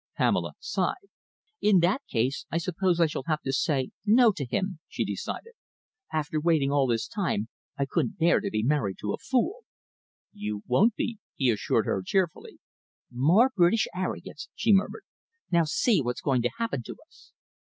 Pamela sighed. "In that case, I suppose I shall have to say 'No' to him," she decided. "After waiting all this time, I couldn't bear to be married to a fool." "You won't be," he assured her cheerfully. "More British arrogance," she murmured. "Now see what's going to happen to us!"